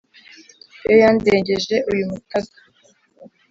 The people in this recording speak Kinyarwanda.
Yo yandengeje uyu mutaga